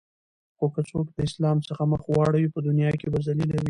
خو که څوک د اسلام څخه مخ واړوی په دنیا کی به ذلیل وی